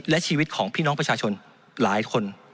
และชีวิตของพี่น้องประชาชนหลายคน